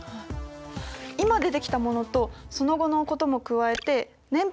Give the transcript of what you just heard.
今出てきたものとその後のことも加えて年表を作ってみました。